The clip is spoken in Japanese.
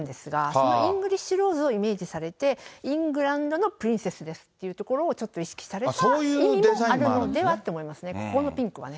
そのイングリッシュローズをイメージされて、イングランドのプリンセスですというところをちょっと意識されたそういうデザインもあるんでここのピンクはね。